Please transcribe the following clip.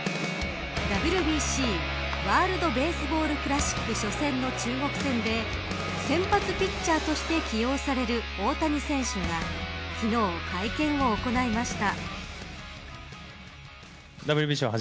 ＷＢＣ、ワールド・ベースボール・クラシック初戦の中国戦で先発ピッチャーとして起用される大谷選手が昨日、会見を行いました。